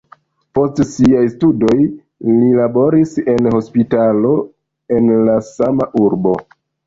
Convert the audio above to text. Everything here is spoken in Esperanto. Post siaj studoj li laboris en hospitalo en la sama urbo.